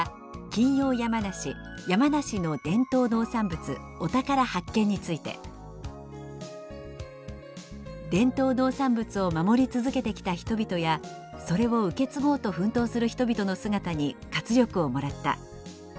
金曜やまなし「山梨の伝統農産物“お宝”発見！」について「伝統農産物を守り続けてきた人々やそれを受け継ごうと奮闘する人々の姿に活力をもらった」